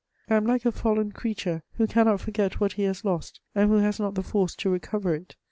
I am like a fallen creature who cannot forget what he has lost, and who has not the force to recover it.